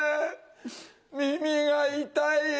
耳が痛いよ！